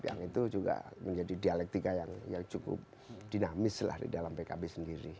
yang itu juga menjadi dialektika yang cukup dinamis lah di dalam pkb sendiri